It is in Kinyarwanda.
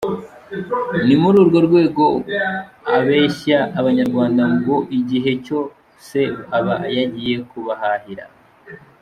Ni muri urwo rwego abeshya Abanyarwanda go igihe cyo se aba yagiye kubahahira.